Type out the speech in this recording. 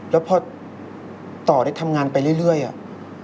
แล้วพอต่อได้ทำงานไปเรื่อยอ่ะ